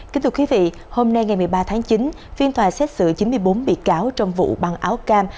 kính thưa quý vị hôm nay ngày một mươi ba tháng chín phiên tòa xét xử chín mươi bốn bị cáo trong vụ băng áo cam